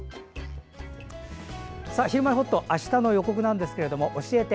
「ひるまえほっと」あしたの予告ですが教えて！